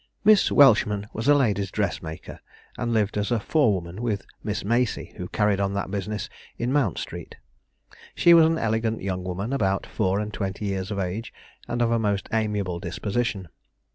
Miss Welchman was a ladies' dressmaker, and lived as forewoman with Miss Macey, who carried on that business in Mount Street. She was an elegant young woman, about four and twenty years of age, and of a most amiable disposition.